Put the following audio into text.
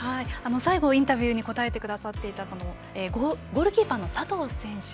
最後インタビューに答えてくださったゴールキーパーの佐藤選手。